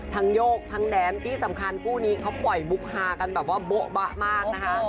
โยกทั้งแดนที่สำคัญคู่นี้เขาปล่อยมุกฮากันแบบว่าโบ๊ะบะมากนะคะ